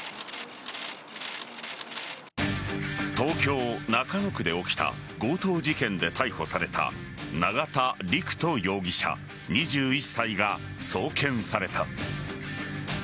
東京・中野区で起きた強盗事件で逮捕された永田陸人容疑者、２１歳が送検された。